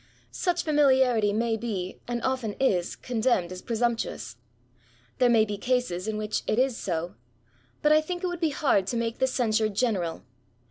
Such familiarity may be, and often is, con demned as presumptuous. There may be cases in which it is so ; but I think it would be hard to make the censure general.